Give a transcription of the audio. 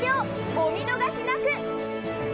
お見逃しなく。